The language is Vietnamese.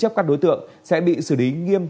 chắc các đối tượng sẽ bị xử lý nghiêm